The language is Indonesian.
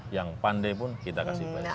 yang pandai pun kita kasih banyak